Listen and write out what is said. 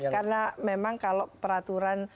karena memang kalau peraturan